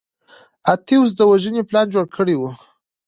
اتیوس د وژنې پلان جوړ کړی و.